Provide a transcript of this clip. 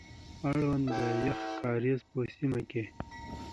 اړوند د يخ کاريز په سيمه کي،